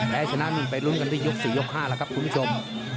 แพ้ชนะนี่ไปลุ้นกันที่ยก๔ยก๕แล้วครับคุณผู้ชม